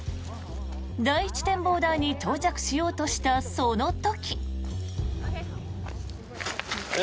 第一展望台に到着しようとしたその時。